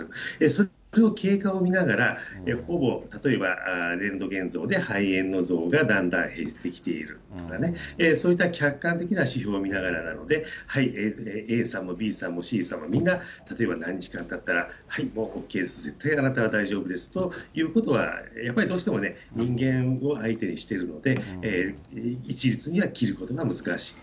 その経過を見ながら、ほぼ、例えばレントゲン像で肺炎の像が段々減ってきているとかね。そういった客観的な指標を見ながらなので、はい、ＡさんもＢさんもＣさんもみんな、例えば何時間たったら、はい、もうＯＫです、絶対あなたは大丈夫ですということは、やっぱりどうしてもね、人間を相手にしてるので、一律には切ることは難しい。